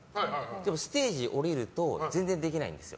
でも、ステージを降りると全然できないんです。